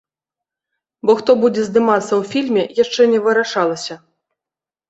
Бо хто будзе здымацца ў фільме, яшчэ не вырашалася.